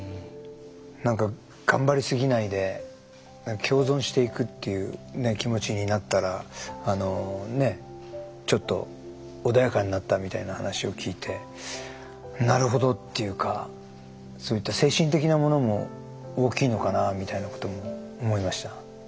何か頑張りすぎないで共存していくっていう気持ちになったらあのちょっと穏やかになったみたいな話を聞いてなるほどっていうかそういった精神的なものも大きいのかなみたいなことも思いました。